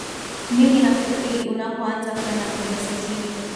mimi nafikiri unapoanza kwenda kwenye sitini